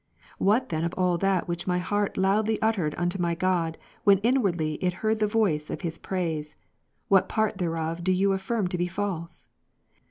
" What then of all that which my heart loudly uttered unto my God, when inwardly it heard the voice of Wi?, praise, what part thereof do you afiirm to be false?